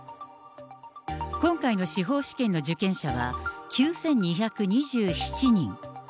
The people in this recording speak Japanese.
今回の司法試験の受験者は９２２７人。